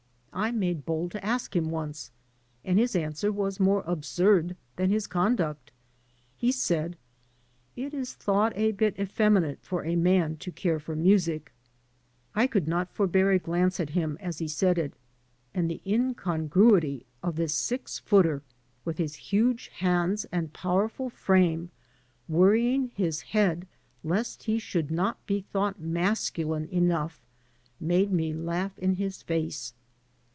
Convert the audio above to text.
I made bold to ask him once, and his answer was more absurd than his conduct. He said, "It is thought a bit effeminate for a man to care for music." I could not forbear a glance at him as he said it; and the incongruity of this six footer with his huge hands and powerful frame worrying his head lest he should not be thought masculine enough made me laugh in his face.